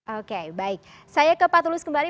oke baik saya ke pak tulus kembali